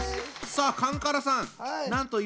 さあカンカラさん